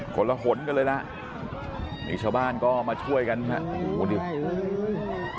คนละหนกันเลยล่ะนี่ชาวบ้านก็มาช่วยกันฮะโอ้โหนี่